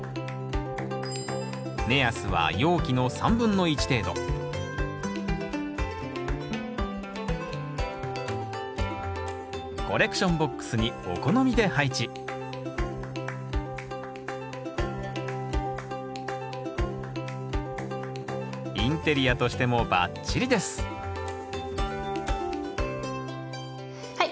目安は容器の３分の１程度コレクションボックスにお好みで配置インテリアとしてもバッチリですはい。